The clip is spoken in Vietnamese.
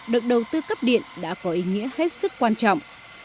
được đầu tư cấp điện đã có ý nghĩa hết sức quan trọng